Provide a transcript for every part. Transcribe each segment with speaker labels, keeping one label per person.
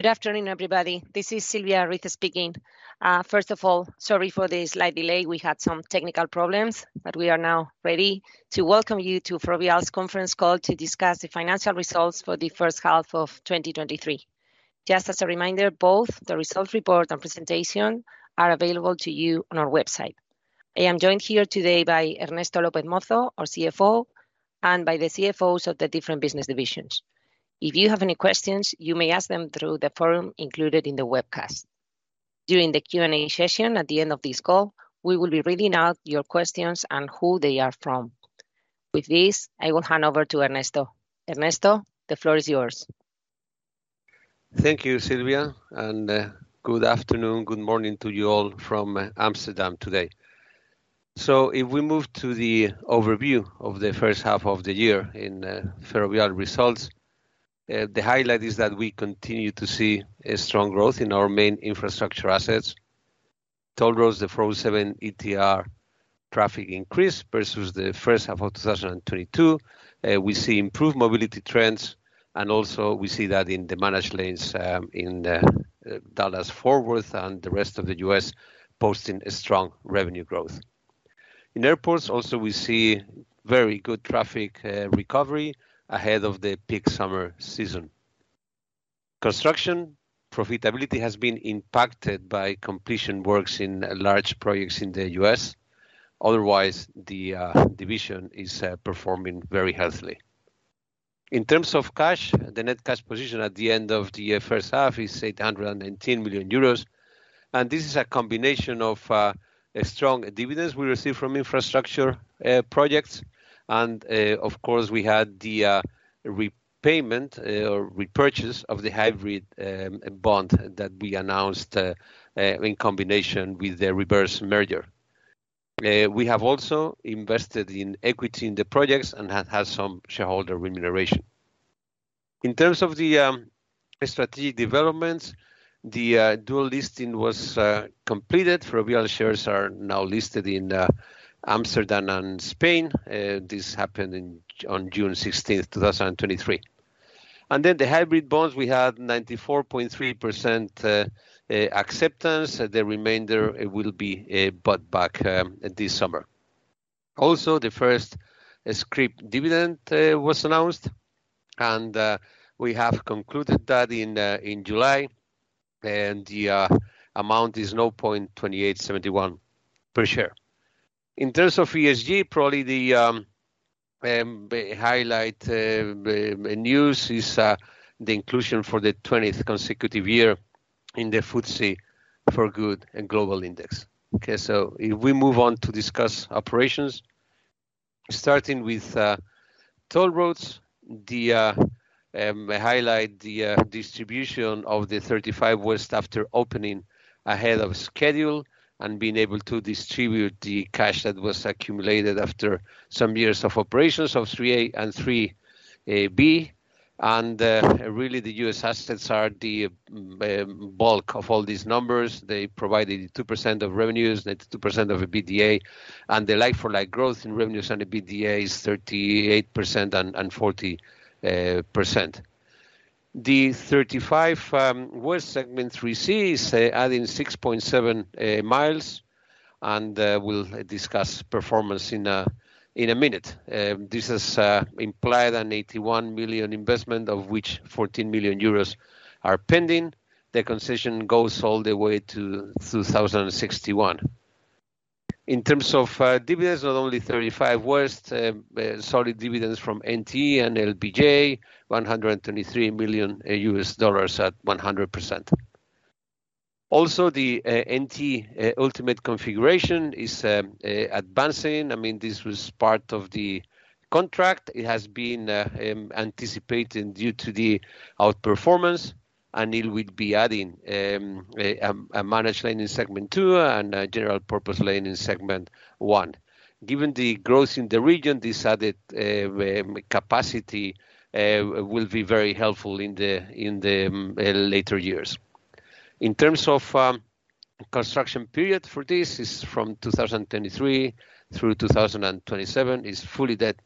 Speaker 1: Good afternoon, everybody. This is Silvia Ruiz speaking. First of all, sorry for the slight delay. We had some technical problems, we are now ready to welcome you to Ferrovial's conference call to discuss the financial results for the first half of 2023. Just as a reminder, both the results report and presentation are available to you on our website. I am joined here today by Ernesto López Mozo, our CFO, and by the CFOs of the different business divisions. If you have any questions, you may ask them through the forum included in the webcast. During the Q&A session, at the end of this call, we will be reading out your questions and who they are from. With this, I will hand over to Ernesto. Ernesto, the floor is yours.
Speaker 2: Thank you, Silvia. Good afternoon, good morning to you all from Amsterdam today. If we move to the overview of the first half of the year in Ferrovial results, the highlight is that we continue to see a strong growth in our main infrastructure assets. Toll roads, the 407 ETR traffic increase versus the first half of 2022. We see improved mobility trends, also we see that in the managed lanes in the Dallas-Fort Worth and the rest of the U.S. posting a strong revenue growth. In airports also, we see very good traffic recovery ahead of the peak summer season. Construction profitability has been impacted by completion works in large projects in the U.S. Otherwise, the division is performing very healthily. In terms of cash, the net cash position at the end of the first half is 819 million euros, this is a combination of a strong dividends we received from infrastructure projects, and of course, we had the repayment repurchase of the hybrid bond that we announced in combination with the reverse merger. We have also invested in equity in the projects and have had some shareholder remuneration. In terms of the strategic developments, the dual listing was completed. Ferrovial shares are now listed in Amsterdam and Spain. This happened on June 16th, 2023. The hybrid bonds, we had 94.3% acceptance. The remainder will be bought back this summer. Also, the first scrip dividend was announced, and we have concluded that in July, and the amount is 0.2871 per share. In terms of ESG, probably the highlight, the news is the inclusion for the 20th consecutive year in the FTSE4Good Global Index. If we move on to discuss operations, starting with toll roads, the highlight the distribution of the thirty-five West after opening ahead of schedule and being able to distribute the cash that was accumulated after some years of operations of 3A and 3A-3B. Really, the US assets are the bulk of all these numbers. They provided 2% of revenues, 2% of EBITDA, and the like for like growth in revenues and EBITDA is 38% and 40%. The NTE 35W Segment 3C is adding 6.7 miles. We'll discuss performance in a minute. This has implied an $81 million investment, of which 14 million euros are pending. The concession goes all the way to 2061. In terms of dividends, not only NTE 35W, solid dividends from NTE and LBJ, $123 million at 100%. The NTE ultimate configuration is advancing. I mean, this was part of the contract. It has been anticipated due to the outperformance. It will be adding a managed lane in Segment 2 and a general purpose lane in Segment 1. Given the growth in the region, this added capacity will be very helpful in the later years. In terms of construction period for this, is from 2023 through 2027, is fully debt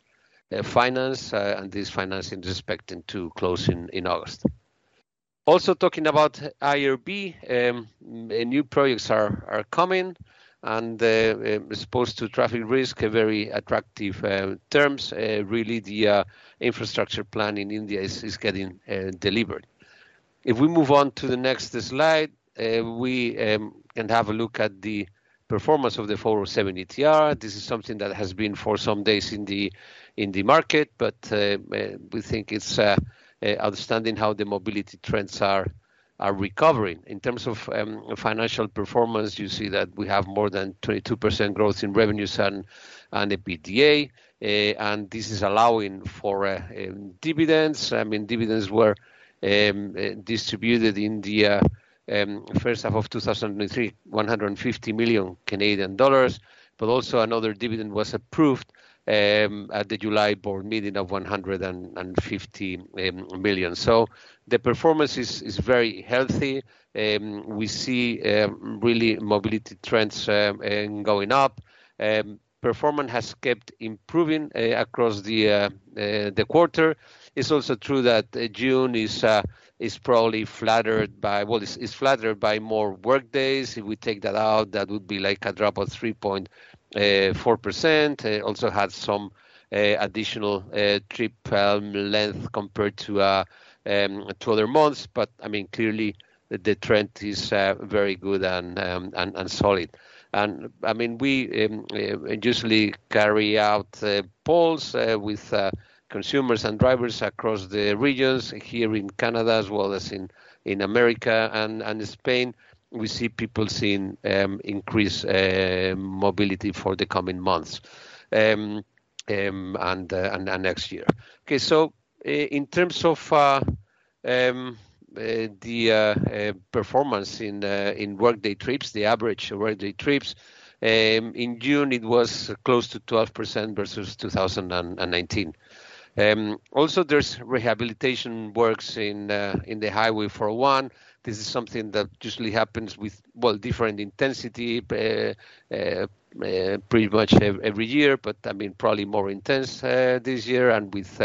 Speaker 2: finance, and this financing is expecting to close in August. Talking about IRB, new projects are coming, and the exposed to traffic risk, a very attractive terms. Really the infrastructure plan in India is getting delivered. If we move on to the next slide, we can have a look at the performance of the 407 ETR. This is something that has been for some days in the market, but we think it's understanding how the mobility trends are recovering. In terms of financial performance, you see that we have more than 22% growth in revenues and EBITDA, and this is allowing for dividends. I mean, dividends were distributed in the first half of 2003, 150 million Canadian dollars. Also another dividend was approved at the July board meeting of 150 million. The performance is very healthy. We see really mobility trends going up. Performance has kept improving across the quarter. It's also true that June is probably flattered by, is flattered by more workdays. If we take that out, that would be like a drop of 3.4%. Also had some additional trip length compared to other months. I mean, clearly the trend is very good and solid. I mean, we usually carry out polls with consumers and drivers across the regions here in Canada, as well as in America and Spain. We see people seeing increased mobility for the coming months and next year. Okay, in terms of the performance in workday trips, the average workday trips in June, it was close to 12% versus 2019. Also, there's rehabilitation works in the Highway 401. This is something that usually happens with, well, different intensity, pretty much every year, but I mean, probably more intense, this year, and with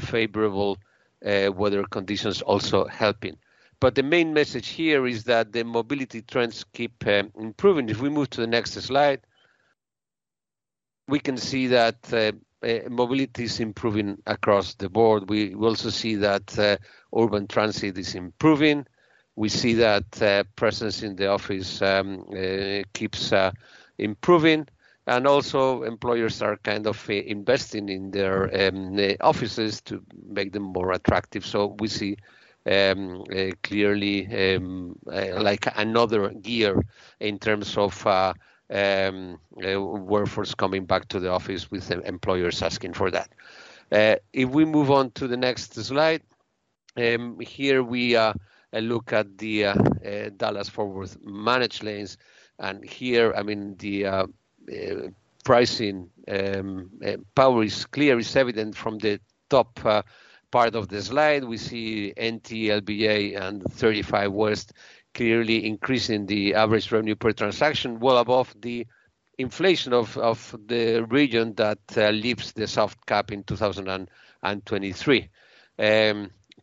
Speaker 2: favourable weather conditions also helping. The main message here is that the mobility trends keep improving. If we move to the next slide, we can see that mobility is improving across the board. We also see that urban transit is improving. We see that presence in the office keeps improving, and also employers are kind of investing in their offices to make them more attractive. We see clearly like another gear in terms of workforce coming back to the office with the employers asking for that. If we move on to the next slide, here we look at the Dallas-Fort Worth managed lanes. Here, I mean, the pricing power is clear. It's evident from the top part of the slide. We see NTE, LBJ, and NTE 35W clearly increasing the average revenue per transaction, well above the inflation of the region that leaves the soft cap in 2023.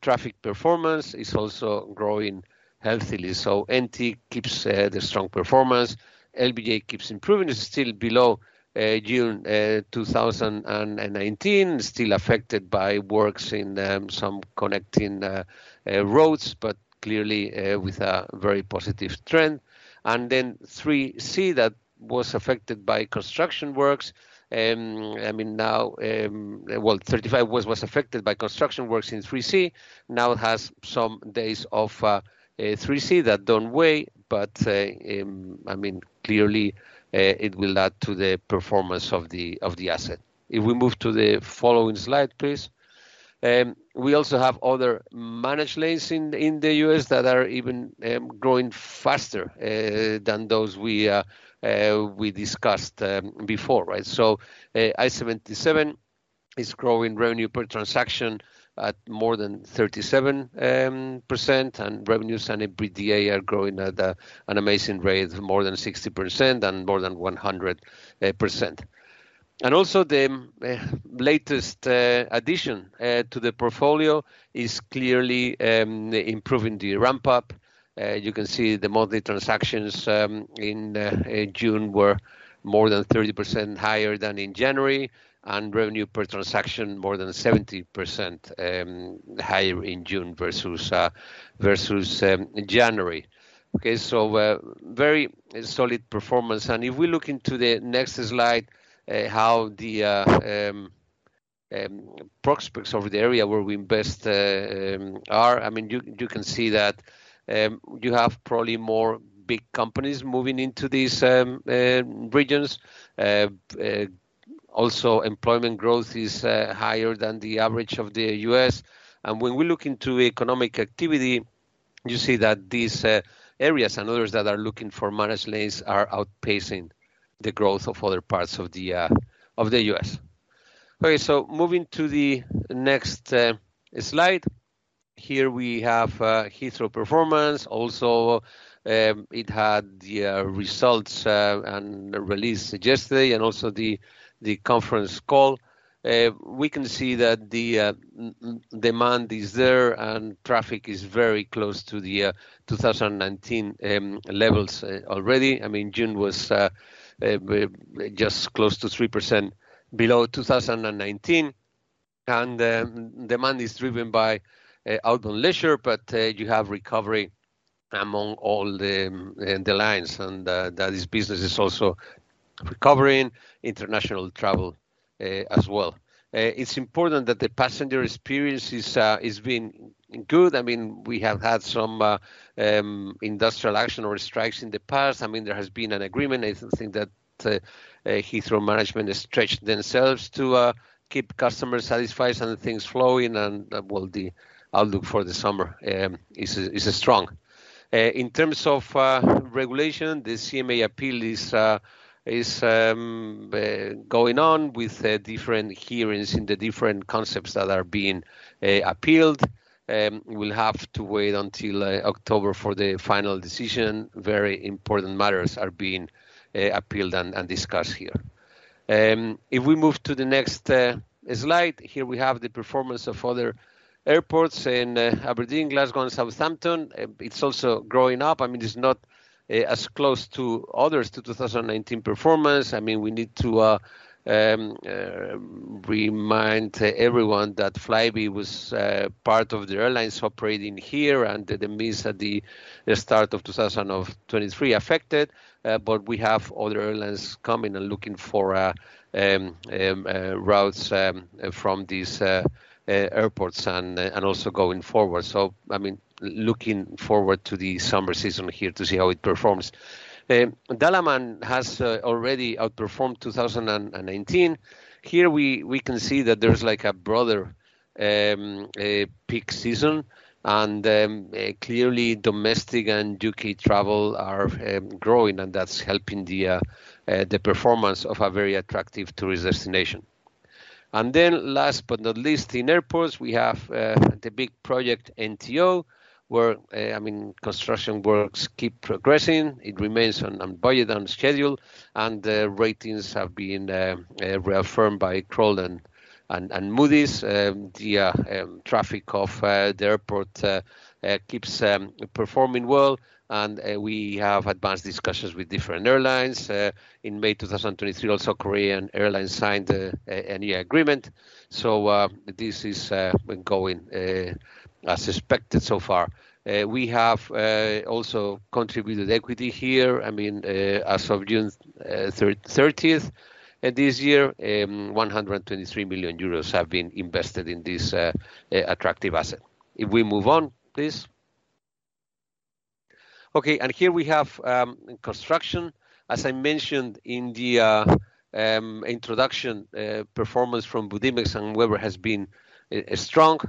Speaker 2: Traffic performance is also growing healthily, NTE keeps the strong performance. LBJ keeps improving. It's still below June 2019, still affected by works in some connecting roads, clearly with a very positive trend. 3C, that was affected by construction works, I mean, now... 35 West was affected by construction works in 3C, now has some days off, 3C that don't weigh. I mean, clearly, it will add to the performance of the, of the asset. If we move to the following slide, please. We also have other managed lanes in the US that are even growing faster than those we discussed before, right? I-77 is growing revenue per transaction at more than 37%, and revenues and EBITDA are growing at an amazing rate, more than 60% and more than 100%. Also, the latest addition to the portfolio is clearly improving the ramp up. You can see the monthly transactions in June were more than 30% higher than in January, and revenue per transaction, more than 70% higher in June versus January. Very solid performance. If we look into the next slide, how the prospects of the area where we invest are, I mean, you can see that you have probably more big companies moving into these regions. Also, employment growth is higher than the average of the US. When we look into economic activity, you see that these areas and others that are looking for managed lanes are outpacing the growth of other parts of the US. Moving to the next slide. Here we have Heathrow performance. It had the results and released yesterday, and also the conference call. We can see that the demand is there, and traffic is very close to the 2019 levels already. I mean, June was just close to 3% below 2019, and demand is driven by outbound leisure, but you have recovery among all the lines, and that is business is also recovering, international travel as well. It's important that the passenger experience is being good. I mean, we have had some industrial action or strikes in the past. I mean, there has been an agreement. I think that Heathrow management has stretched themselves to keep customers satisfied and things flowing, and, well, the outlook for the summer is strong. In terms of regulation, the CMA appeal is going on with different hearings in the different concepts that are being appealed. We'll have to wait until October for the final decision. Very important matters are being appealed and discussed here. If we move to the next slide, here we have the performance of other airports in Aberdeen, Glasgow, and Southampton. It's also growing up. I mean, it's not as close to others, to 2019 performance. I mean, we need to remind everyone that Flybe was part of the airlines operating here. The demise at the start of 2023 affected. We have other airlines coming and looking for routes from these airports and also going forward. I mean, looking forward to the summer season here to see how it performs. Dalaman has already outperformed 2019. Here, we can see that there's like a broader peak season, and clearly, domestic and UK travel are growing, and that's helping the performance of a very attractive tourist destination. Last but not least, in airports, we have the big project, NTE, where I mean, construction works keep progressing. It remains on budget, on schedule. The ratings have been reaffirmed by Kroll and Moody's. The traffic of the airport keeps performing well. We have advanced discussions with different airlines. In May 2023, also, Korean Airlines signed a new agreement. This is going as expected so far. We have also contributed equity here. I mean, as of June 30th this year, 123 million euros have been invested in this attractive asset. If we move on, please. Okay, here we have construction. As I mentioned in the introduction, performance from Budimex and Weber has been strong,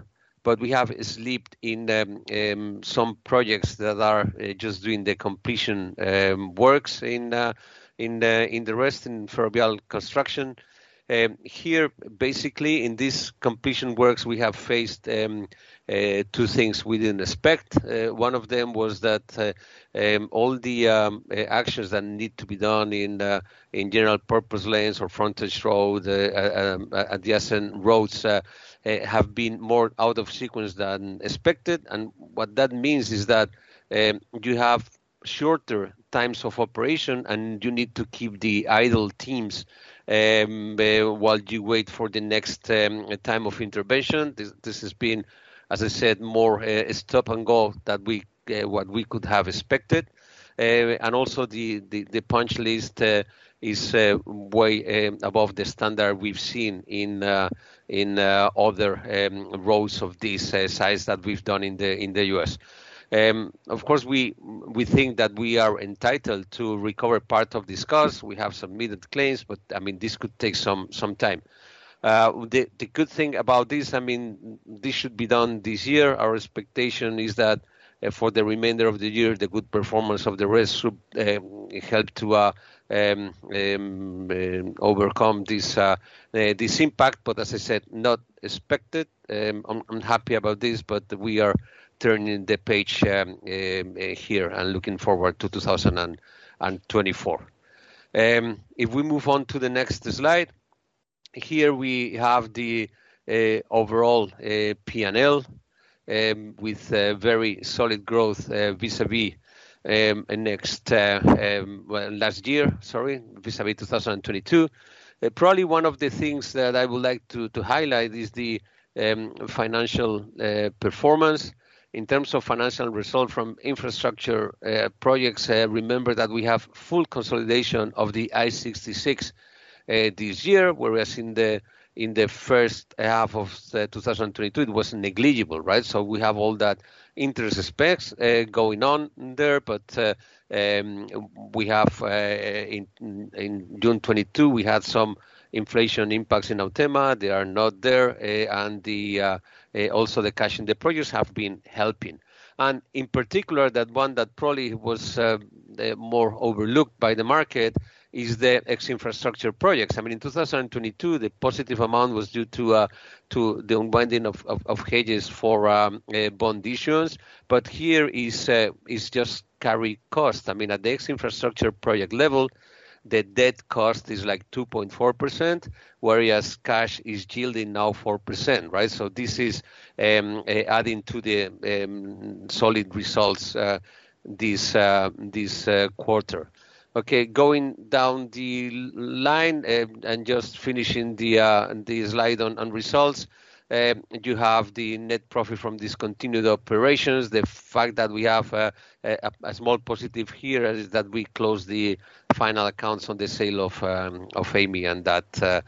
Speaker 2: but we have slipped in the some projects that are just doing the completion works in the rest in Ferrovial Construction. Here, basically, in this completion works, we have faced two things we didn't expect. One of them was that all the actions that need to be done in the general-purpose lanes or frontage road, adjacent roads have been more out of sequence than expected. What that means is that you have shorter times of operation, and you need to keep the idle teams while you wait for the next time of intervention. This has been, as I said, more stop and go than what we could have expected. Also the punch list is way above the standard we've seen in other roads of this size that we've done in the US. Of course, we think that we are entitled to recover part of this cost. We have submitted claims, but, I mean, this could take some time. The good thing about this, I mean, this should be done this year. Our expectation is that for the remainder of the year, the good performance of the rest should help to overcome this impact, as I said, not expected. I'm happy about this, but we are turning the page here, looking forward to 2024. If we move on to the next slide, here we have the overall PNL with a very solid growth vis-à-vis next last year, sorry, vis-à-vis 2022. Probably one of the things that I would like to highlight is the financial performance. In terms of financial result from infrastructure projects, remember that we have full consolidation of the I-66 this year, whereas in the first half of 2022, it was negligible, right? We have all that interest aspects going on there. In June 2022, we had some inflation impacts in Autema. They are not there. Also the cash in the projects have been helping. In particular, that one that probably was more overlooked by the market is the ex-infrastructure projects. I mean, in 2022, the positive amount was due to the unwinding of hedges for bond issues. Here is just carry cost. I mean, at the ex-infrastructure project level, the debt cost is, like, 2.4%, whereas cash is yielding now 4%, right? This is adding to the solid results this quarter. Okay, going down the line, just finishing the slide on results. You have the net profit from discontinued operations. The fact that we have a small positive here is that we closed the final accounts on the sale of Amey, and that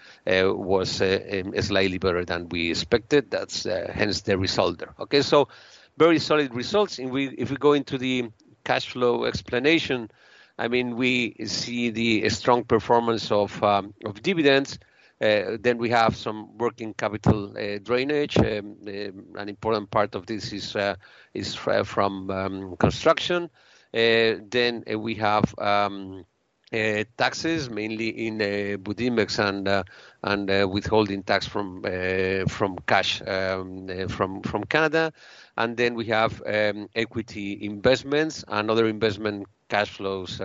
Speaker 2: was slightly better than we expected. That's hence the result there. Very solid results. If we go into the cash flow explanation, I mean, we see the strong performance of dividends. Then we have some working capital drainage. An important part of this is from construction. Then we have taxes, mainly in Budimex and withholding tax from cash from Canada. Then we have equity investments and other investment cash flows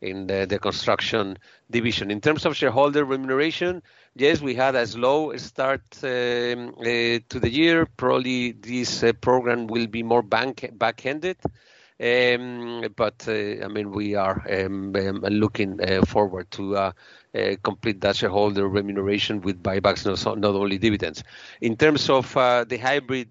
Speaker 2: in the construction division. In terms of shareholder remuneration, yes, we had a slow start to the year. Probably, this program will be more back-ended. I mean, we are looking forward to complete that shareholder remuneration with buybacks not only dividends. In terms of the hybrid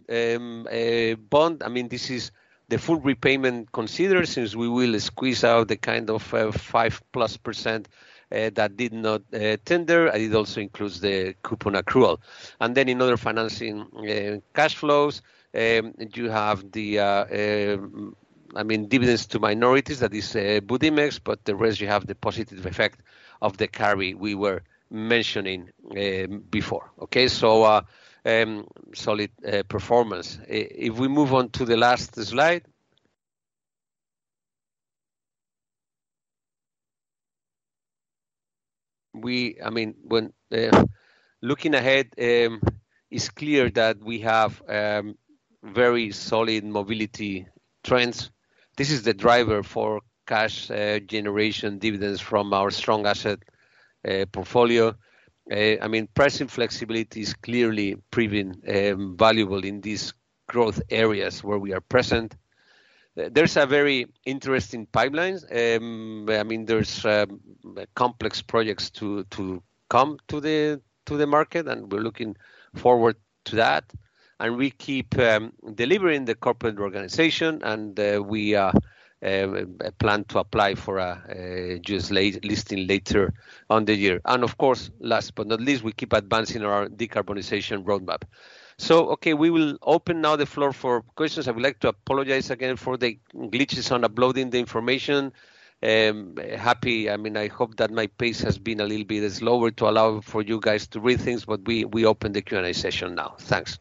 Speaker 2: bond, I mean, this is the full repayment considered, since we will squeeze out the kind of 5+% that did not tender, and it also includes the coupon accrual. In other financing cash flows, I mean, dividends to minorities, that is Budimex, but the rest, you have the positive effect of the carry we were mentioning before. Solid performance. If we move on to the last slide. I mean, when looking ahead, it's clear that we have very solid mobility trends. This is the driver for cash generation, dividends from our strong asset portfolio. I mean, pricing flexibility is clearly proving valuable in these growth areas where we are present. There's a very interesting pipelines. I mean, there's complex projects to come to the market, and we're looking forward to that. We keep delivering the corporate organization, and we plan to apply for a just listing later on the year. Of course, last but not least, we keep advancing our decarbonization roadmap. Okay, we will open now the floor for questions. I would like to apologize again for the glitches on uploading the information. Happy... I mean, I hope that my pace has been a little bit slower to allow for you guys to read things, but we open the Q&A session now. Thanks.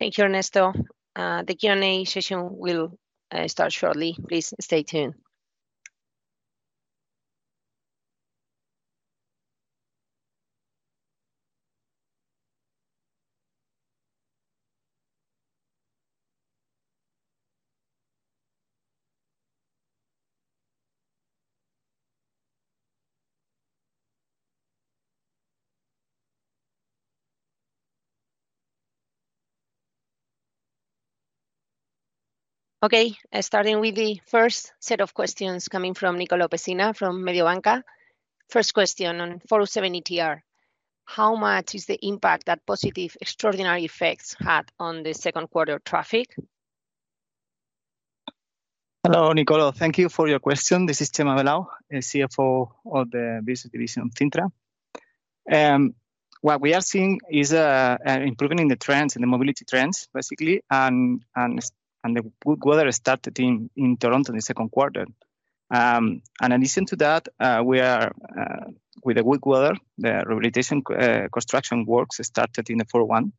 Speaker 1: Thank you, Ernesto. The Q&A session will start shortly. Please stay tuned. Okay, starting with the first set of questions coming from Nicolò Pessina, from Mediobanca. First question on 407 ETR: How much is the impact that positive, extraordinary effects had on the Q2 traffic?
Speaker 3: Hello, Nicolo. Thank you for your question. This is Chema Velaúndez, the CFO of the Business Division of Cintra. What we are seeing is a improvement in the trends, in the mobility trends, basically, and the good weather started in Toronto in the Q2. In addition to that, we are with the good weather, the rehabilitation construction works started in the four one,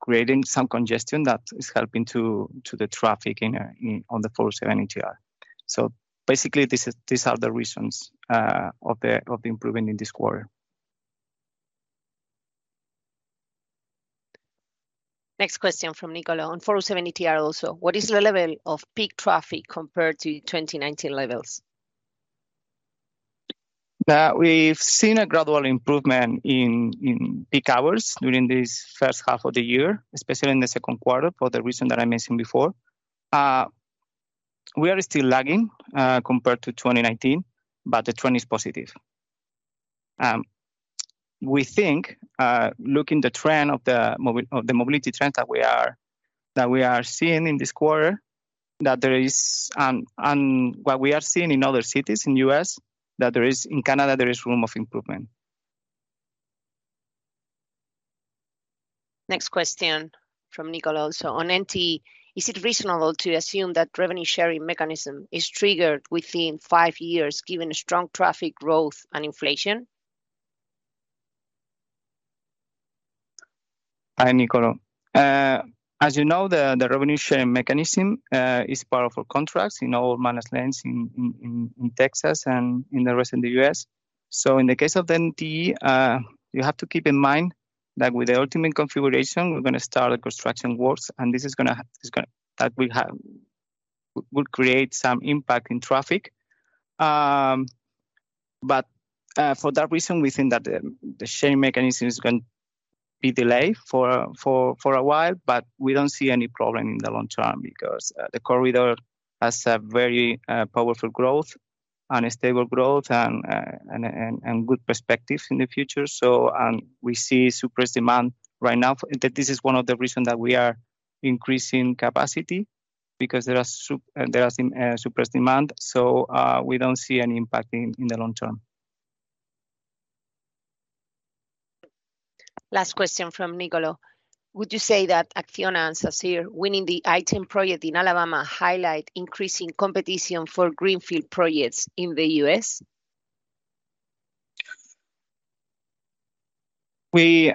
Speaker 3: creating some congestion that is helping to the traffic in on the 407 ETR. Basically, these are the reasons of the improvement in this quarter.
Speaker 1: Next question from Nicolo, on 407 ETR also. What is the level of peak traffic compared to 2019 levels?
Speaker 3: We've seen a gradual improvement in, in peak hours during this first half of the year, especially in the Q2, for the reason that I mentioned before. We are still lagging, compared to 2019, but the trend is positive. We think, looking the trend of the mobility trends that we are seeing in this quarter, that there is, and what we are seeing in other cities in U.S., in Canada, there is room of improvement.
Speaker 1: Next question from Nicolo. On NTE, is it reasonable to assume that revenue sharing mechanism is triggered within five years, given strong traffic growth and inflation?
Speaker 3: Hi, Nicolo. As you know, the revenue sharing mechanism is part of our contracts in all managed lanes in Texas and in the rest of the US. In the case of the NTE, you have to keep in mind that with the ultimate configuration, we're gonna start the construction works, and this is gonna create some impact in traffic. For that reason, we think that the sharing mechanism is gonna be delayed for a while, but we don't see any problem in the long term because the corridor has a very powerful growth and a stable growth and good perspective in the future. We see suppressed demand right now, that this is one of the reasons that we are increasing capacity, because there are some suppressed demand. We don't see any impact in the long term.
Speaker 1: Last question from Nicolo. Would you say that Acciona and Sacyr winning the I-10 project in Alabama highlight increasing competition for greenfield projects in the U.S.?
Speaker 3: We,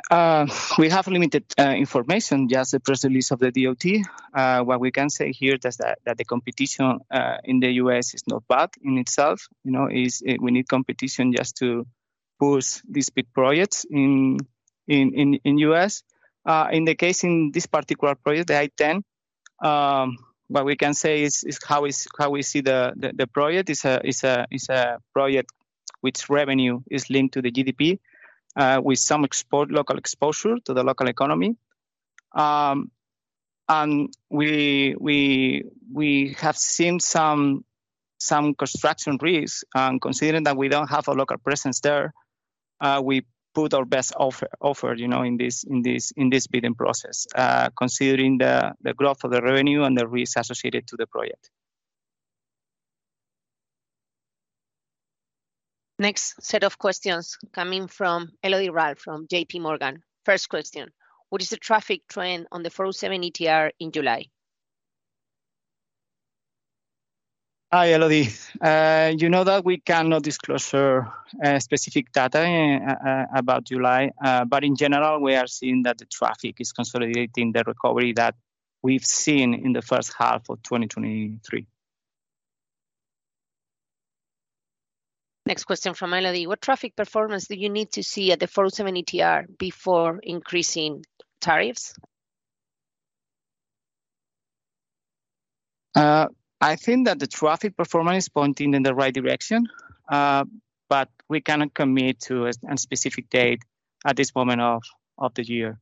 Speaker 3: we have limited information, just the press release of the DOT. What we can say here is that the competition in the US is not bad in itself, you know. We need competition just to push these big projects in US. In the case in this particular project, the I-10, what we can say is how we see the project is a project which revenue is linked to the GDP, with some export, local exposure to the local economy. We have seen some construction risks, and considering that we don't have a local presence there, we put our best offer, you know, in this bidding process, considering the growth of the revenue and the risks associated to the project.
Speaker 1: Next set of questions coming from Elodie Rall from JP Morgan. First question: What is the traffic trend on the 407 ETR in July?
Speaker 3: Hi, Elodie. you know that we cannot disclosure specific data about July, but in general, we are seeing that the traffic is consolidating the recovery that we've seen in the first half of 2023.
Speaker 1: Next question from Elodie. What traffic performance do you need to see at the 407 ETR before increasing tariffs?
Speaker 3: I think that the traffic performance is pointing in the right direction, but we cannot commit to a specific date at this moment of the year.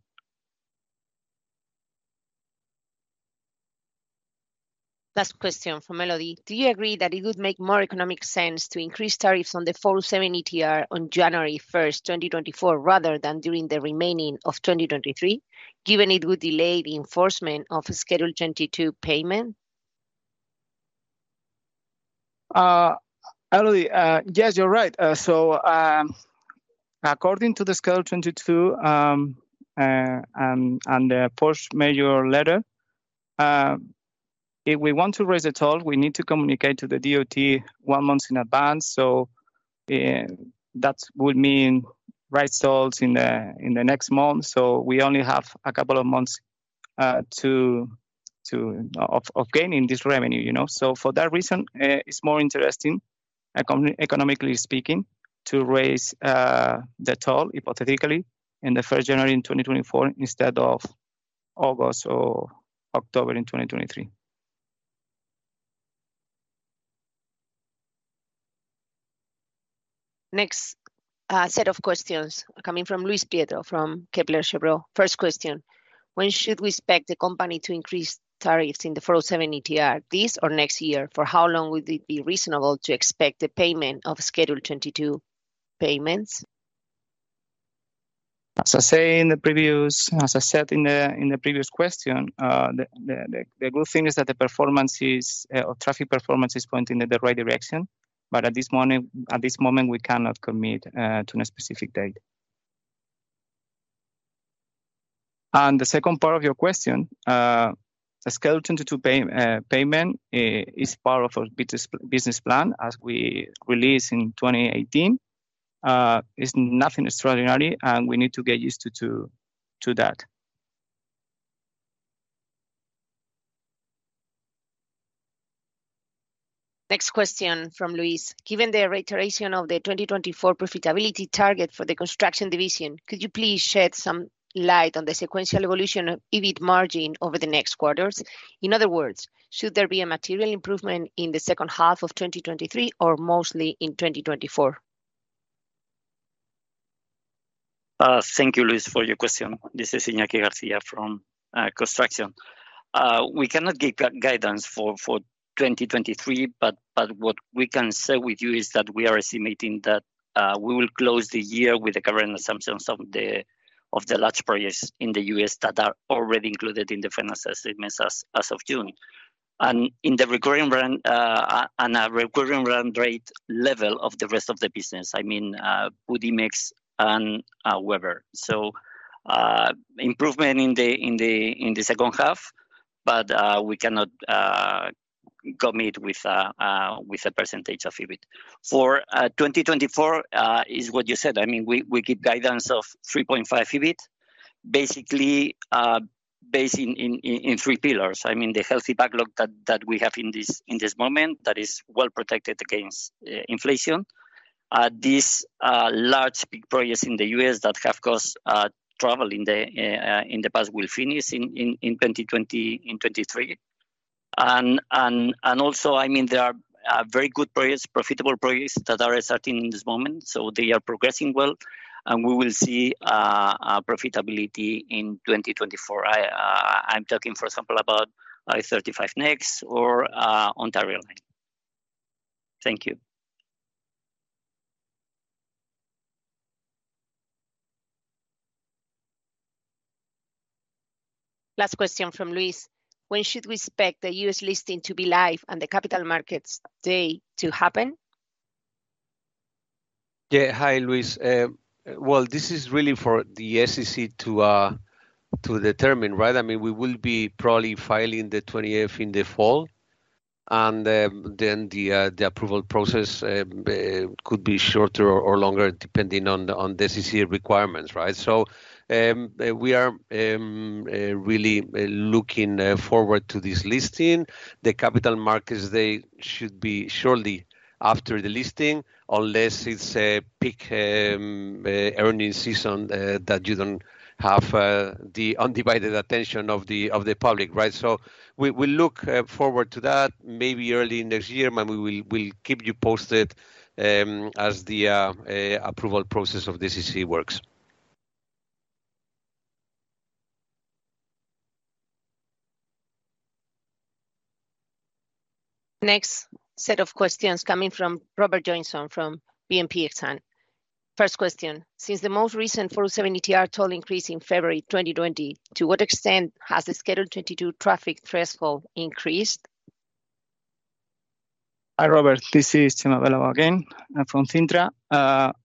Speaker 1: Last question from Elodie. Do you agree that it would make more economic sense to increase tariffs on the 407 ETR on January first, 2024, rather than during the remaining of 2023, given it would delay the enforcement of Schedule 22 payment?
Speaker 3: Elodie, yes, you're right. According to the Schedule 22, and the Post-Merger Letter, if we want to raise a toll, we need to communicate to the DOT 1 month in advance, that would mean raise tolls in the next month. We only have a couple of months to gaining this revenue, you know? For that reason, it's more interesting, econom- economically speaking, to raise the toll hypothetically in the first January in 2024, instead of August or October in 2023.
Speaker 1: Next, set of questions coming from Luis Prieto, from Kepler Cheuvreux. First question: When should we expect the company to increase tariffs in the 407 ETR, this or next year? For how long would it be reasonable to expect the payment of Schedule 22 payments?
Speaker 3: As I said in the, in the previous question, the, the, the, the good thing is that the performance is or traffic performance is pointing in the right direction, but at this moment, at this moment, we cannot commit to a specific date. The second part of your question, the Schedule 22 pay payment is part of our business plan as we released in 2018. It's nothing extraordinary, and we need to get used to that.
Speaker 1: Next question from Luis: Given the reiteration of the 2024 profitability target for the construction division, could you please shed some light on the sequential evolution of EBIT margin over the next quarters? In other words, should there be a material improvement in the second half of 2023, or mostly in 2024?
Speaker 4: Thank you, Luis, for your question. This is Iñaki Garcia from Construction. We cannot give guidance for 2023, but what we can say with you is that we are estimating that we will close the year with the current assumptions of the large projects in the US that are already included in the financial statements as of June. In the recurring run, and a recurring run rate level of the rest of the business, I mean, Budimex and Weber. Improvement in the second half, but we cannot commit with a percentage of EBIT. For 2024 is what you said. I mean, we give guidance of 3.5% EBIT, basically, based in three pillars. I mean, the healthy backlog that we have in this moment, that is well protected against inflation. This large, big projects in the US that have caused trouble in the past will finish in 2023. Also, I mean, there are very good projects, profitable projects that are starting in this moment, so they are progressing well, and we will see a profitability in 2024. I'm talking, for example, about I-35 NEX or Ontario Line. Thank you.
Speaker 1: Last question from Luis: When should we expect the U.S. listing to be live and the capital markets day to happen?
Speaker 2: Yeah. Hi, Luis. Well, this is really for the SEC to determine, right? I mean, we will be probably filing the 20-F in the fall, and then the approval process could be shorter or longer, depending on the SEC requirements, right? So we are really looking forward to this listing. The capital markets day should be shortly after the listing, unless it's a peak earnings season that you don't have the undivided attention of the public, right? So we look forward to that maybe early next year, and we'll keep you posted as the approval process of the SEC works.
Speaker 1: Next set of questions coming from Robert Johnson from BNP Paribas Exane. First question: Since the most recent 407 ETR toll increase in February 2020, to what extent has the Schedule 22 traffic threshold increased?
Speaker 3: Hi, Robert. This is Chema Velaúndez again, from Cintra.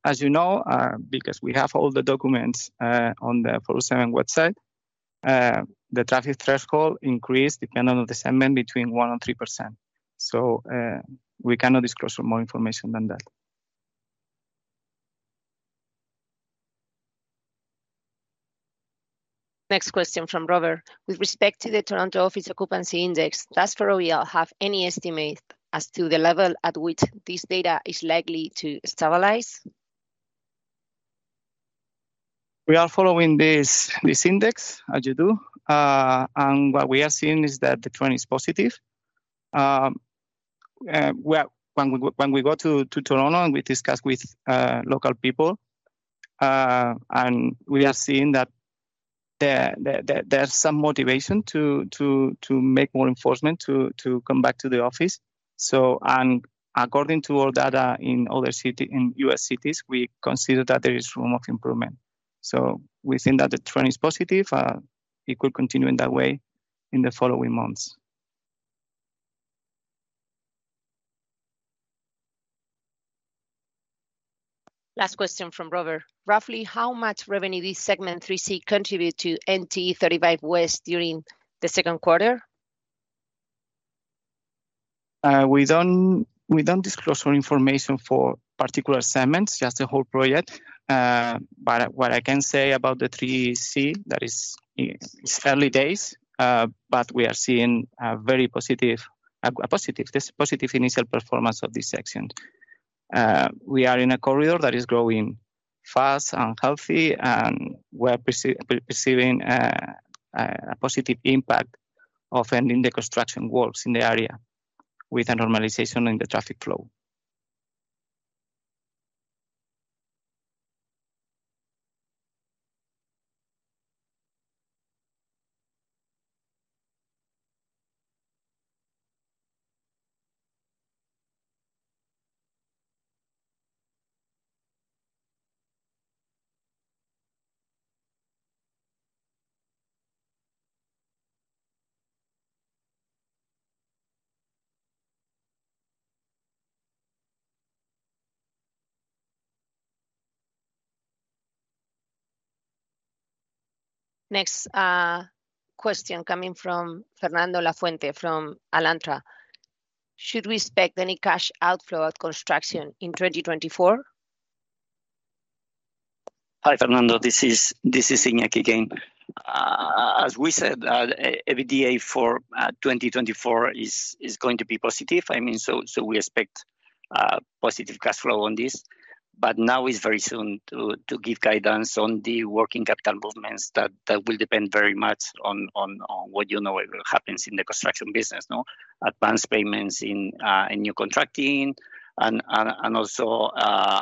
Speaker 3: As you know, because we have all the documents on the 407 website, the traffic threshold increased, depending on the segment, between 1% and 3%. We cannot disclose for more information than that.
Speaker 1: Next question from Robert: With respect to the Toronto office occupancy index, does Ferrovial have any estimate as to the level at which this data is likely to stabilize?
Speaker 3: `We are following this, this index, as you do. Uh, and what we are seeing is that the trend is positive. Um, uh, we are-- when we, when we go to, to Toronto, and we discuss with, uh, local people, uh, and we are seeing that there, there, there, there's some motivation to, to, to make more enforcement to, to come back to the office. So-- and according to our data in other city, in US cities, we consider that there is room of improvement. So we think that the trend is positive, uh, it could continue in that way in the following months.`
Speaker 1: Roughly, how much revenue this segment 3C contribute to NTE 35W during the Q2?
Speaker 3: We don't disclose more information for particular segments, just the whole project. What I can say about the 3C, that is, it's early days, but we are seeing a very positive, this positive initial performance of this section. We are in a corridor that is growing fast and healthy, and we're perceiving a positive impact of ending the construction works in the area with a normalization in the traffic flow.
Speaker 1: Question coming from Fernando Lafuente, from Alantra. Should we expect any cash outflow of construction in 2024?
Speaker 4: Hi, Fernando, this is Iñaki again. As we said, EBITDA for 2024 is going to be positive. I mean, so we expect positive cash flow on this, now it's very soon to give guidance on the working capital movements. That will depend very much on what you know, happens in the construction business, no? Advanced payments in new contracting and also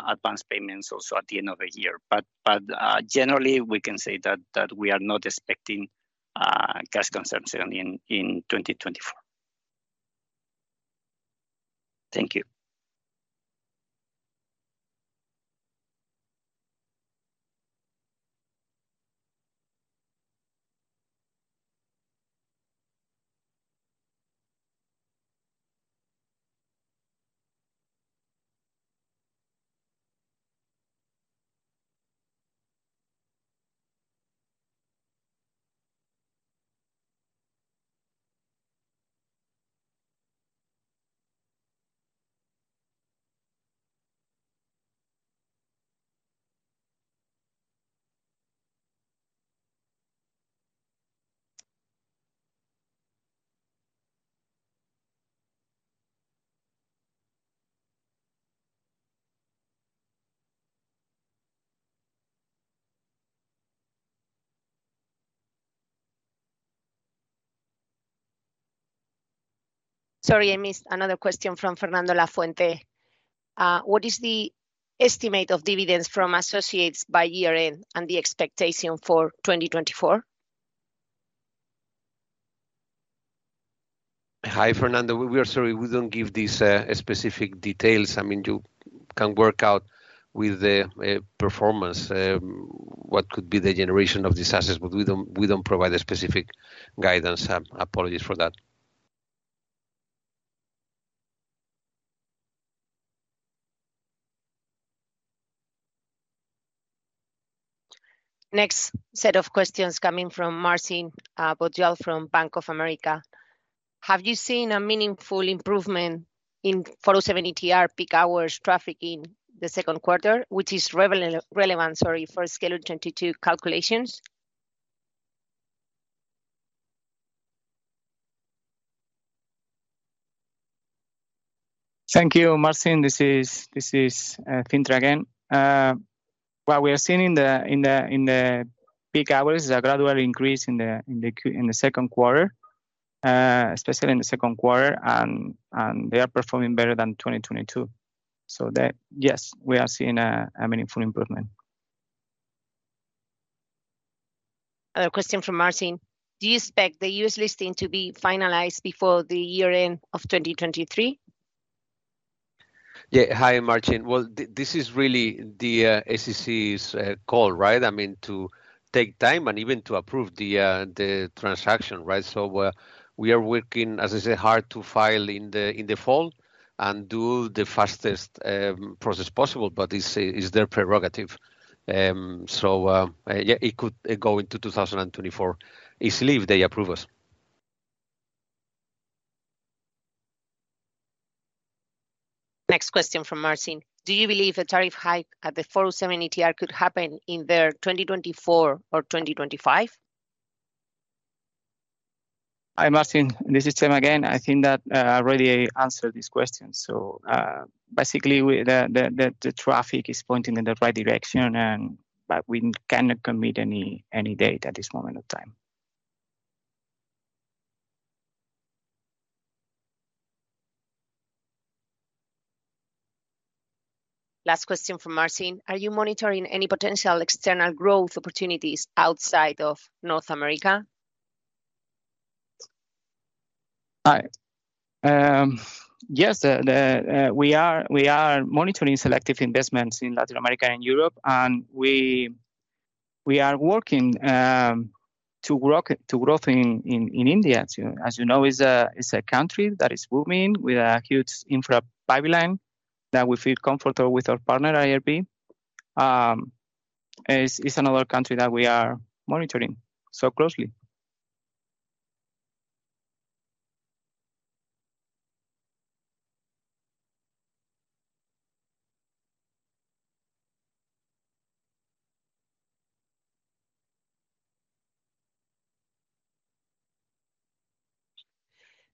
Speaker 4: advanced payments also at the end of the year. Generally, we can say that we are not expecting cash consumption in 2024. Thank you. ...
Speaker 1: Sorry, I missed another question from Fernando Lafuente. What is the estimate of dividends from associates by year-end and the expectation for 2024?
Speaker 2: Hi, Fernando. We are sorry, we don't give these specific details. I mean, you can work out with the performance what could be the generation of these assets, but we don't provide a specific guidance. Apologies for that.
Speaker 1: Next set of questions coming from Marcin Bodzial from Bank of America. Have you seen a meaningful improvement in 407 ETR peak hours traffic in the Q2, which is relevant, sorry, for Schedule 22 calculations?
Speaker 3: Thank you, Marcin. This is Cintra again. What we are seeing in the peak hours is a gradual increase in the Q2, especially in the Q2, and they are performing better than 2022. That, yes, we are seeing a meaningful improvement.
Speaker 1: Another question from Marcin: Do you expect the US listing to be finalized before the year-end of 2023?
Speaker 2: Yeah. Hi, Marcin. Well, this is really the ACC's call, right? I mean, to take time and even to approve the transaction, right? We are working, as I said, hard to file in the, in the fall and do the fastest process possible, but it's their prerogative. Yeah, it could go into 2024, easily, if they approve us.
Speaker 1: Next question from Marcin: Do you believe a tariff hike at the 407 ETR could happen in 2024 or 2025?
Speaker 5: Hi, Marcin. This is Tim again. I think that I already answered this question. Basically, the traffic is pointing in the right direction. We cannot commit any date at this moment of time.
Speaker 1: Last question from Marcin: Are you monitoring any potential external growth opportunities outside of North America?
Speaker 3: Hi. Yes, we are monitoring selective investments in Latin America and Europe. We are working to growth in India. As you know, is a country that is booming, with a huge infra pipeline that we feel comfortable with our partner, IRB. It's another country that we are monitoring so closely.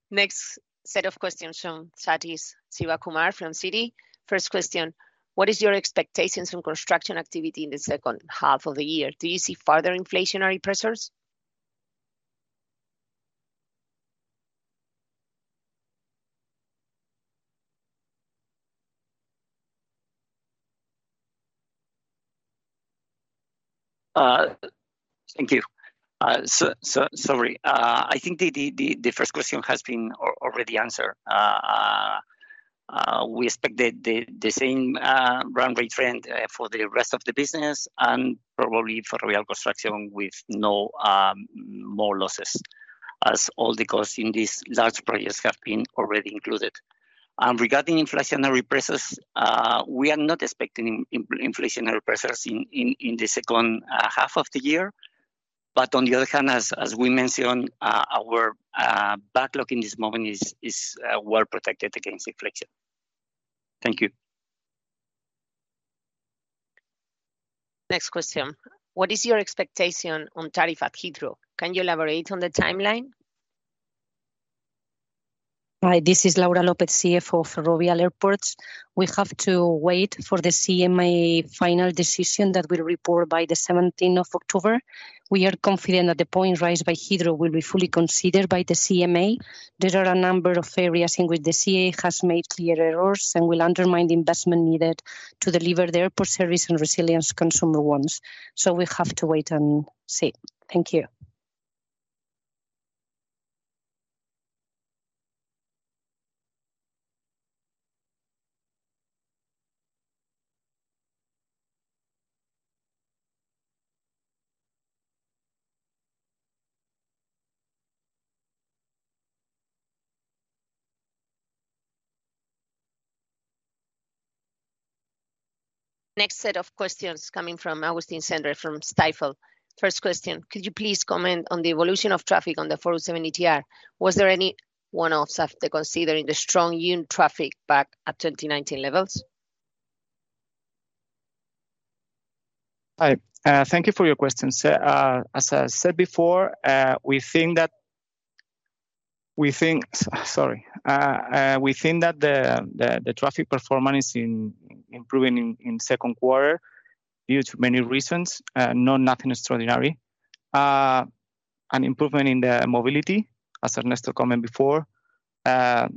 Speaker 1: Next set of questions from Satish Sivakumar from Citi. First question: What is your expectations on construction activity in the second half of the year? Do you see further inflationary pressures?
Speaker 4: Thank you. So, sorry. I think the first question has been already answered. We expect the same runway trend for the rest of the business and probably for real construction with no more losses, as all the costs in these large projects have been already included. Regarding inflationary pressures, we are not expecting inflationary pressures in the second half of the year. On the other hand, as we mentioned, our backlog in this moment is well protected against inflation. Thank you.
Speaker 1: Next question: What is your expectation on tariff at Heathrow? Can you elaborate on the timeline?
Speaker 6: Hi, this is Laura Lopez, CFO for Ferrovial Airports. We have to wait for the CMA final decision that we'll report by the seventeenth of October. We are confident that the point raised by Heathrow will be fully considered by the CMA. There are a number of areas in which the CMA has made clear errors and will undermine the investment needed to deliver the airport service and resilience consumer ones. We have to wait and see. Thank you.
Speaker 1: Next set of questions coming from Augustine Sander from Stifel. First question: Could you please comment on the evolution of traffic on the 407 ETR? Was there any one-offs after considering the strong yield traffic back at 2019 levels?
Speaker 3: Hi, thank you for your question, sir. As I said before, we think that the traffic performance is improving in Q2 due to many reasons, no, nothing extraordinary. An improvement in the mobility, as Ernesto comment before, the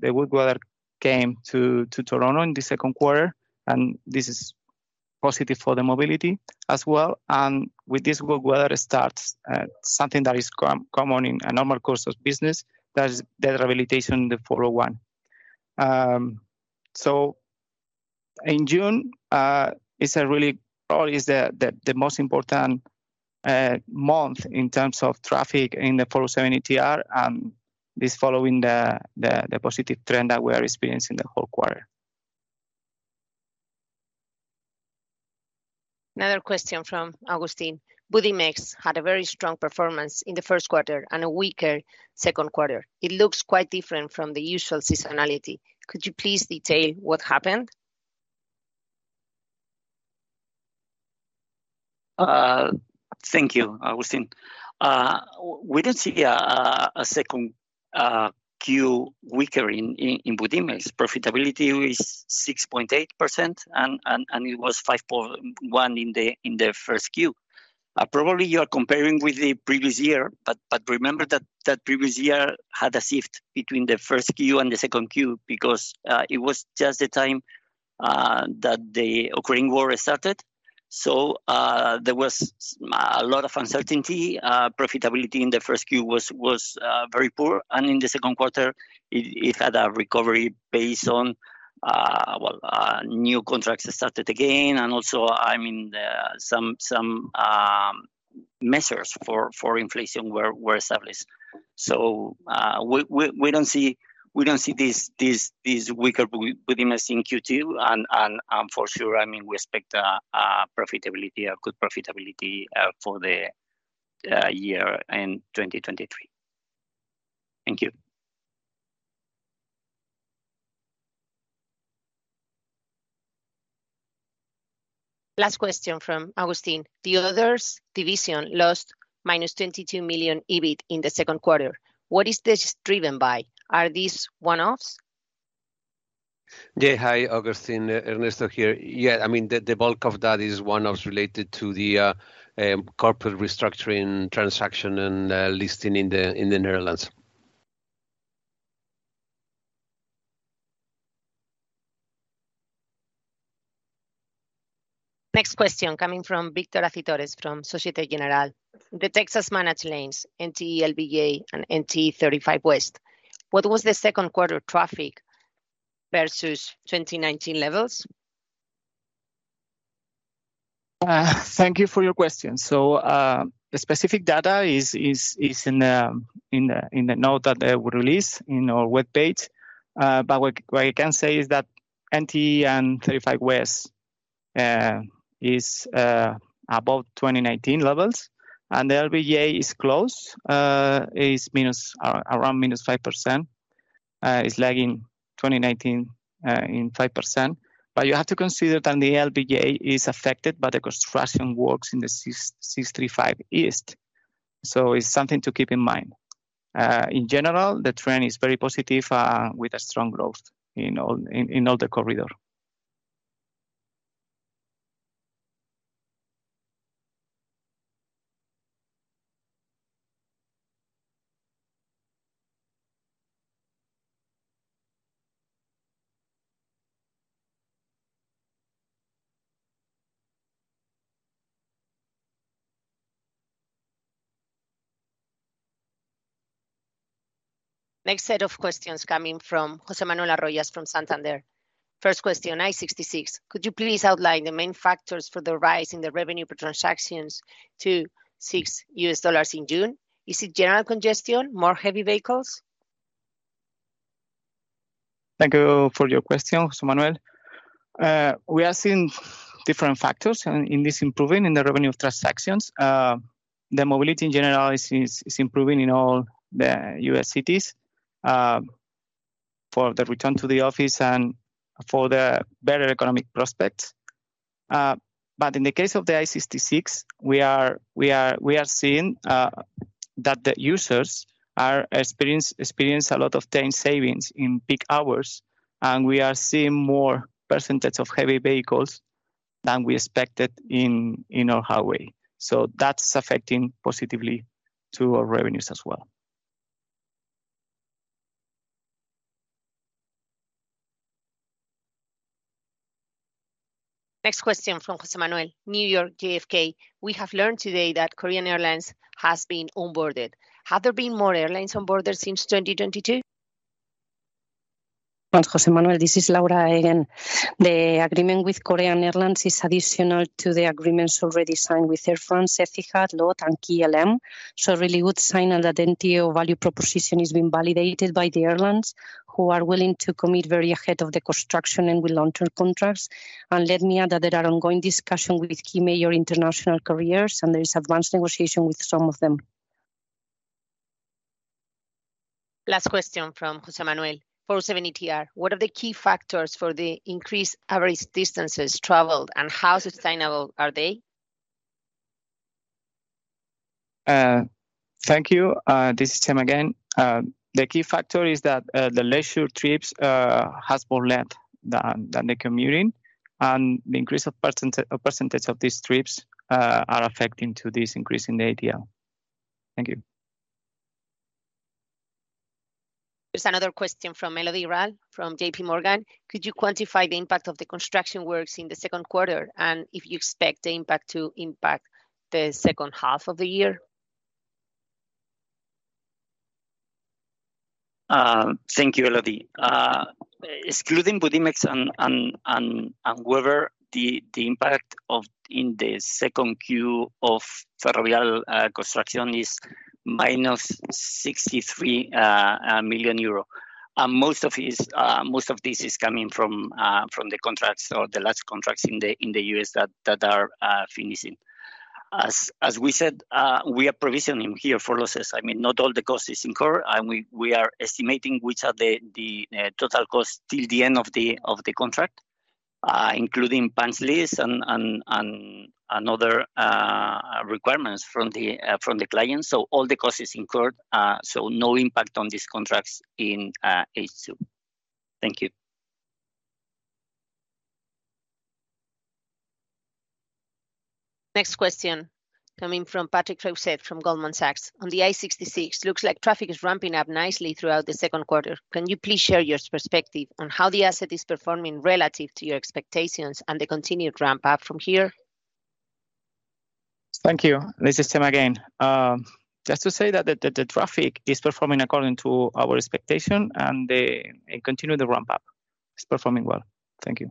Speaker 3: good weather came to Toronto in the Q2, and this is positive for the mobility as well. With this good weather, it starts something that is common in a normal course of business, that is the rehabilitation in the Highway 401. In June, it's probably the most important month in terms of traffic in the 407 ETR, and this following the positive trend that we are experiencing the whole quarter.
Speaker 1: Another question from Augustine. Budimex had a very strong performance in the Q1 and a weaker Q2. It looks quite different from the usual seasonality. Could you please detail what happened?
Speaker 4: Thank you, Augustine. We did see a second Q weaker in Budimex. Profitability is 6.8%, and it was 5.1 in the first Q. Probably you are comparing with the previous year, but remember that previous year had a shift between the first Q and the second Q because it was just the time that the Ukraine war started. There was a lot of uncertainty. Profitability in the first Q was very poor, and in the Q2, it had a recovery based on, well, new contracts started again, and also, I mean, some measures for inflation were established. We don't see this weaker Budimex in Q2, and, for sure, I mean, we expect a profitability, a good profitability, for the year in 2023. Thank you.
Speaker 1: Last question from Augustine. The others division lost -22 million EBIT in the Q2. What is this driven by? Are these one-offs?
Speaker 2: Yeah. Hi, Augustine, Ernesto here. Yeah, I mean, the, the bulk of that is one-offs related to the corporate restructuring transaction and listing in the, in the Netherlands.
Speaker 1: Next question coming from Victor Acitores, from Societe Generale. The Texas Managed Lanes, NTE LBJ and NTE 35W, what was the Q2 traffic versus 2019 levels?
Speaker 3: Thank you for your question. The specific data is in the note that I would release in our webpage. What I can say is that NTE and NTE 35W is above 2019 levels, the LBJ is close, is minus, around minus 5%, is lagging 2019 in 5%. You have to consider that the LBJ is affected by the construction works in the 635 East. It's something to keep in mind. In general, the trend is very positive, with a strong growth in all the corridor.
Speaker 1: Next set of questions coming from José Manuel Arroyo from Santander. First question, I-66, could you please outline the main factors for the rise in the revenue per transactions to $6 in June? Is it general congestion, mo re heavy vehicles?
Speaker 3: Thank you for your question, Jose Manuel. We are seeing different factors in this improving in the revenue of transactions. The mobility in general is improving in all the U.S. cities, for the return to the office and for the better economic prospects. In the case of the I-66, we are seeing that the users are experience a lot of time savings in peak hours, and we are seeing more % of heavy vehicles than we expected in our highway. That's affecting positively to our revenues as well.
Speaker 1: Next question from Jose Manuel. New York JFK, we have learned today that Korean Airlines has been onboarded. Have there been more airlines onboarded since 2022?
Speaker 6: Thanks, Jose Manuel, this is Laura again. The agreement with Korean Airlines is additional to the agreements already signed with Air France, Etihad, LOT, and KLM. A really good signal that NTO value proposition is being validated by the airlines, who are willing to commit very ahead of the construction and with long-term contracts. Let me add that there are ongoing discussion with key major international carriers, and there is advanced negotiation with some of them.
Speaker 1: Last question from Jose Manuel. 407 ETR, what are the key factors for the increased average distances traveled, and how sustainable are they?
Speaker 5: Thank you. This is Tim again. The key factor is that the leisure trips has more length than the commuting, and the increase of percentage of these trips are affecting to this increase in the ADL. Thank you.
Speaker 1: There's another question from Elodie Rall from JP Morgan. Could you quantify the impact of the construction works in the Q2, and if you expect the impact to impact the second half of the year?
Speaker 4: Thank you, Elodie. Excluding Budimex and Weber, the impact in the second Q of Ferrovial construction is -63 million euro. Most of it is most of this is coming from the contracts or the large contracts in the US that are finishing. As we said, we are provisioning here for losses. I mean, not all the costs is incurred, and we are estimating which are the total costs till the end of the contract, including punch lists and other requirements from the client. All the costs is incurred, no impact on these contracts in H2. Thank you.
Speaker 1: Next question coming from Patrick Rousset from Goldman Sachs: On the I-66, looks like traffic is ramping up nicely throughout the Q2. Can you please share your perspective on how the asset is performing relative to your expectations and the continued ramp up from here?
Speaker 5: Thank you. This is Tim again. Just to say that the traffic is performing according to our expectation. It continue the ramp up. It's performing well. Thank you.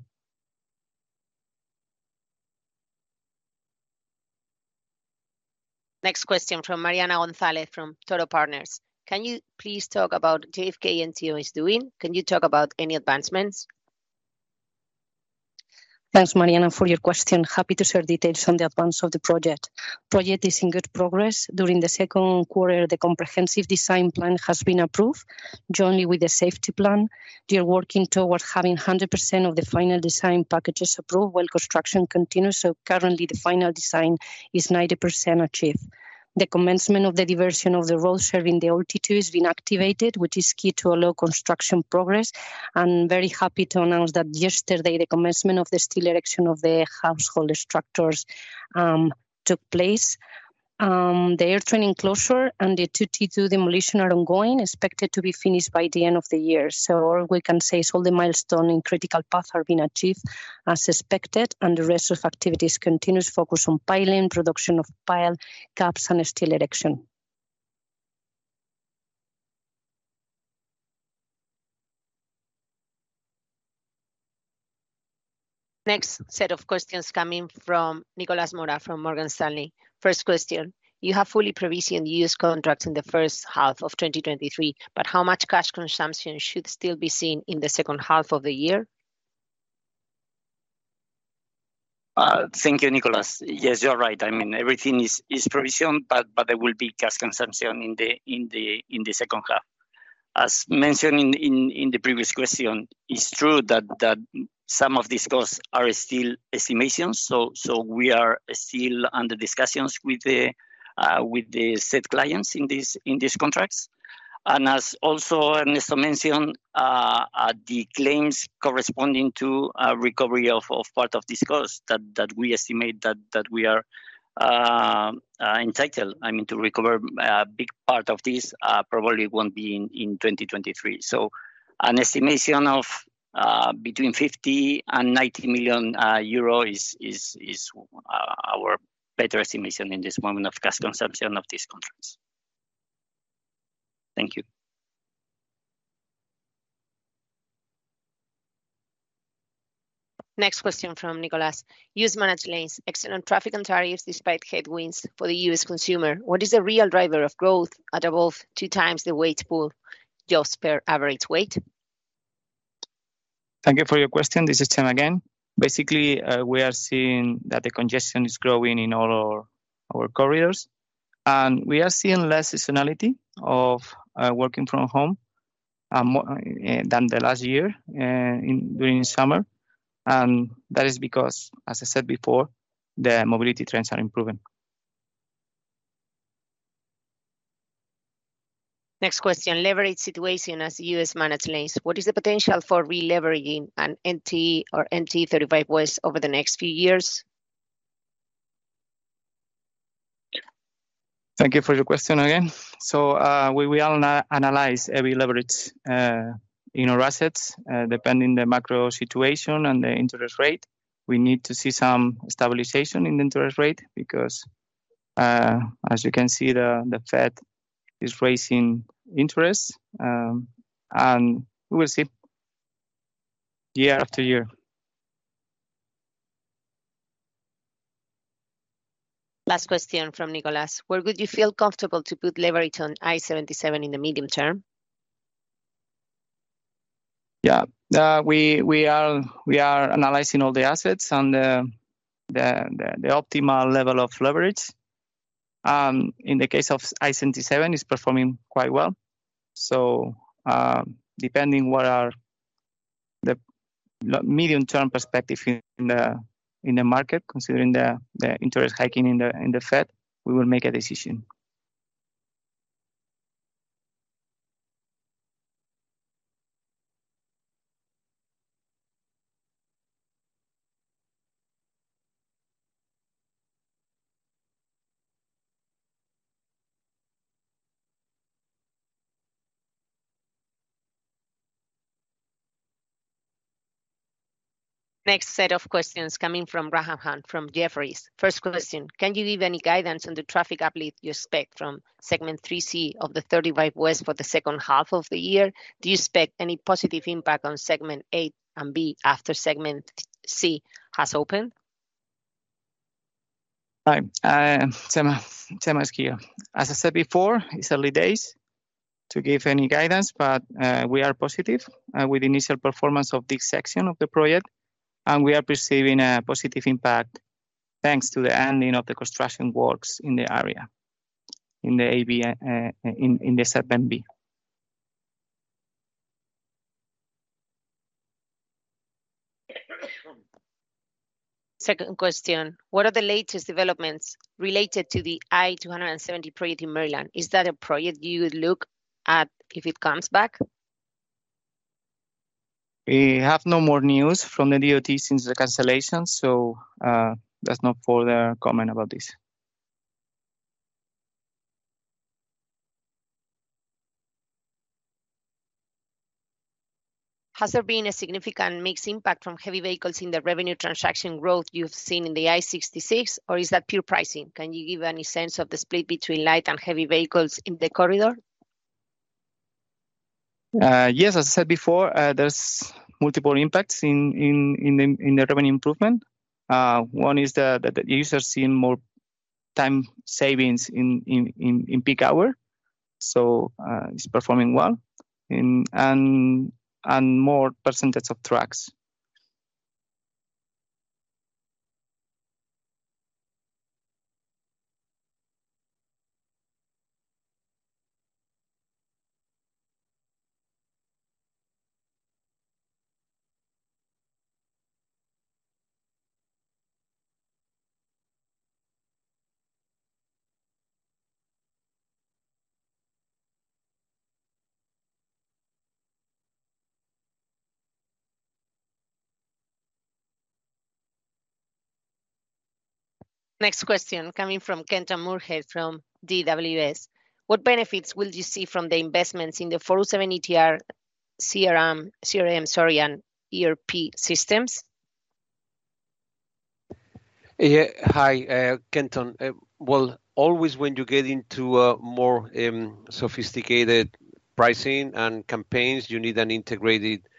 Speaker 1: Next question from Mariana Gonzalez from Toro Partners. Can you please talk about JFK NTE is doing? Can you talk about any advancements?
Speaker 6: Thanks, Mariana, for your question. Happy to share details on the advance of the project. Project is in good progress. During the Q2, the comprehensive design plan has been approved, jointly with the safety plan. We are working toward having 100% of the final design packages approved, while construction continues. Currently, the final design is 90% achieved. The commencement of the diversion of the road serving the old T2 has been activated, which is key to allow construction progress. I'm very happy to announce that yesterday, the commencement of the steel erection of the household structures took place. The air training closure and the T2 demolition are ongoing, expected to be finished by the end of the year. All we can say is all the milestone in critical path are being achieved as expected, and the rest of activities continues, focused on piling, production of pile caps, and steel erection.
Speaker 1: Next set of questions coming from Nicolas Mora from Morgan Stanley. First question: You have fully provisioned the US contracts in the first half of 2023, but how much cash consumption should still be seen in the second half of the year?
Speaker 4: Thank you, Nicolas. Yes, you're right. I mean, everything is provisioned, but there will be cash consumption in the second half. As mentioned in the previous question, it's true that some of these costs are still estimations, so we are still under discussions with the said clients in these contracts. As also Ernesto mentioned, the claims corresponding to a recovery of part of this cost that we estimate that we are entitled, I mean, to recover a big part of this, probably won't be in 2023. An estimation of between 50 million and 90 million euro is our better estimation in this moment of cash consumption of this contracts. Thank you.
Speaker 1: Next question from Nicolas. U.S. managed lanes, excellent traffic and tariffs despite headwinds for the U.S. consumer. What is the real driver of growth at above 2x the weight pool just per average weight?
Speaker 5: Thank you for your question. This is Tim again. Basically, we are seeing that the congestion is growing in all our corridors, and we are seeing less seasonality of working from home, more than the last year during the summer. That is because, as I said before, the mobility trends are improving.
Speaker 1: Next question. Leverage situation as US managed lanes, what is the potential for releveraging an NTE or NTE 35W over the next few years?
Speaker 3: Thank you for your question again. We will analyze every leverage in our assets depending the macro situation and the interest rate. We need to see some stabilization in the interest rate because as you can see, the Fed is raising interest, and we will see year after year.
Speaker 1: Last question from Nicolas: Where would you feel comfortable to put leverage on I-77 in the medium term?
Speaker 3: Yeah. We are analyzing all the assets and the optimal level of leverage. In the case of I-77, it's performing quite well. Depending.
Speaker 4: the medium-term perspective in the, in the market, considering the, the interest hiking in the, in the Fed, we will make a decision.
Speaker 1: Next set of questions coming from Graham Hunt from Jefferies. First question, can you give any guidance on the traffic uplift you expect from Segment 3C of the NTE 35W for the second half of the year? Do you expect any positive impact on Segment 3A and 3B after Segment 3C has opened?
Speaker 4: Hi, Chema is here. As I said before, it's early days to give any guidance. We are positive with initial performance of this section of the project, and we are perceiving a positive impact, thanks to the ending of the construction works in the area, in the AB, in the segment B.
Speaker 1: Second question: What are the latest developments related to the I-270 project in Maryland? Is that a project you would look at if it comes back?
Speaker 4: We have no more news from the DOT since the cancellation. There's no further comment about this.
Speaker 1: Has there been a significant mixed impact from heavy vehicles in the revenue transaction growth you've seen in the I-66, or is that pure pricing? Can you give any sense of the split between light and heavy vehicles in the corridor?
Speaker 4: Yes, as I said before, there's multiple impacts in the revenue improvement. One is that the users seeing more time savings in peak hour, so, it's performing well, and more percentage of trucks.
Speaker 1: Next question coming from Kenton Moorhead, from DWS. What benefits will you see from the investments in the 407 ETR, CRM, sorry, and ERP systems?
Speaker 2: Yeah. Hi, Kenton. Well, always when you get into a more sophisticated pricing and campaigns, you need an integrated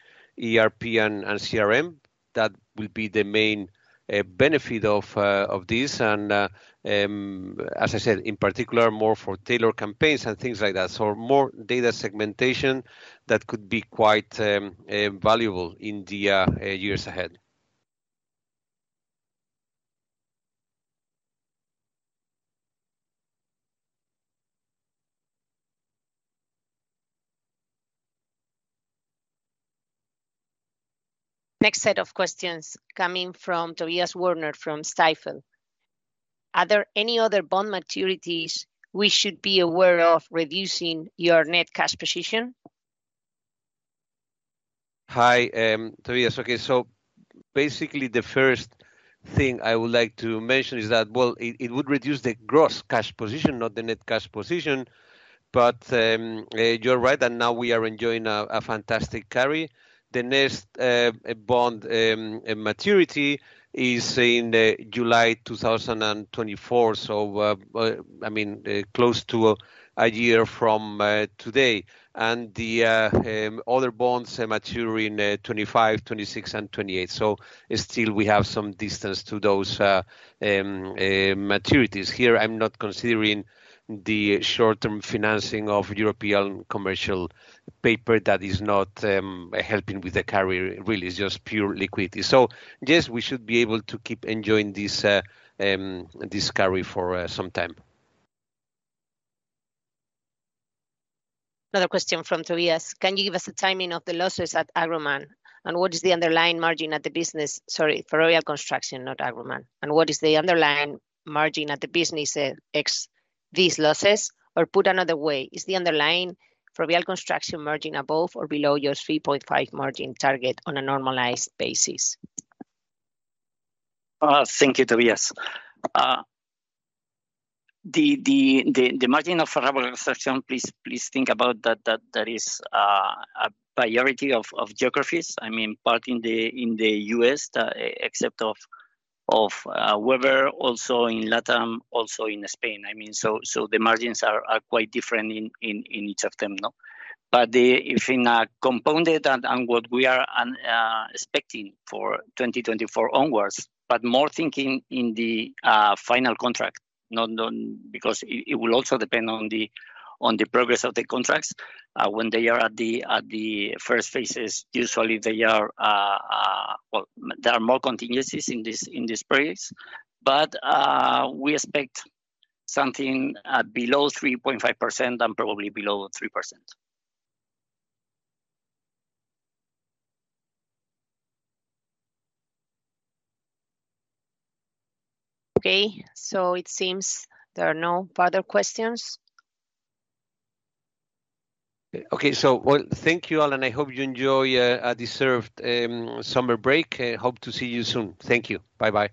Speaker 2: ERP and CRM. That will be the main benefit of this, and as I said, in particular, more for tailored campaigns and things like that. More data segmentation, that could be quite valuable in the years ahead.
Speaker 1: Next set of questions coming from Tobias Woerner, from Stifel. Are there any other bond maturities we should be aware of, reducing your net cash position?
Speaker 2: Hi, Tobias. Basically, the first thing I would like to mention is that, well, it would reduce the gross cash position, not the net cash position. You're right, and now we are enjoying a fantastic carry. The next bond maturity is in the July 2024, I mean, close to a year from today. The other bonds mature in 2025, 2026 and 2028. Still, we have some distance to those maturities. Here, I'm not considering the short-term financing of European commercial paper. That is not helping with the carry, really, it's just pure liquidity. Yes, we should be able to keep enjoying this carry for some time.
Speaker 1: Another question from Tobias: Can you give us the timing of the losses at Agroman? What is the underlying margin at the business... Sorry, Ferrovial Construction, not Agroman. What is the underlying margin at the business, ex these losses? Put another way, is the underlying Ferrovial Construction margin above or below your 3.5% margin target on a normalized basis?
Speaker 4: Thank you, Tobias. The margin of Ferrovial Construction, please think about that, that there is a priority of geographies. I mean, part in the US, except of Weber, also in Latam, also in Spain. I mean, so the margins are quite different in each of them, no? If in a compounded and what we are expecting for 2024 onwards, but more thinking in the final contract, not because it will also depend on the progress of the contracts. When they are at the first phases, usually they are, well, there are more contingencies in this phase. We expect something below 3.5%, and probably below 3%.
Speaker 1: Okay, it seems there are no further questions.
Speaker 2: Okay, well, thank you, all, and I hope you enjoy a deserved summer break, hope to see you soon. Thank you. Bye-bye.